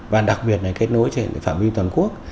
và đặc biệt kết nối với phạm viên toàn quốc